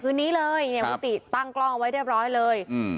คืนนี้เลยเนี่ยคุณติตั้งกล้องเอาไว้เรียบร้อยเลยอืม